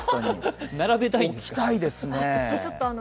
置きたいですね。